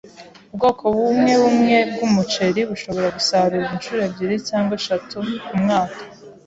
Ubwoko bumwebumwe bwumuceri bushobora gusarurwa inshuro ebyiri cyangwa eshatu kumwaka.